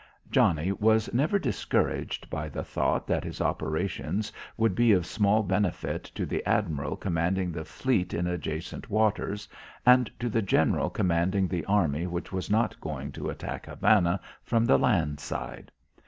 Johnnie was never discouraged by the thought that his operations would be of small benefit to the admiral commanding the fleet in adjacent waters, and to the general commanding the army which was not going to attack Havana from the land side.